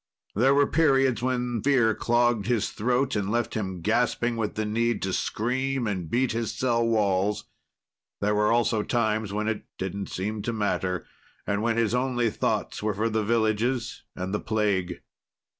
There were periods when fear clogged his throat and left him gasping with the need to scream and beat his cell walls. There were also times when it didn't seem to matter, and when his only thoughts were for the villages and the plague.